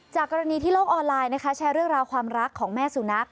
กรณีที่โลกออนไลน์นะคะแชร์เรื่องราวความรักของแม่สุนัข